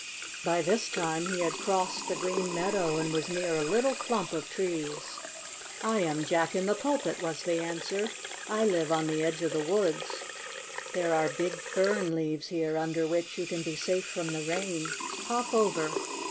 By this time he had crossed the green meadow and was near a little clump of trees. "I am Jack in the Pulpit," was the answer. "I live on the edge of the woods. There are big fern leaves here under which you can be safe from the rain. Hop over!"